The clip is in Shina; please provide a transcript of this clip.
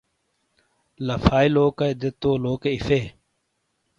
لَفائے لوکائی دے تو لوکے اِیفے۔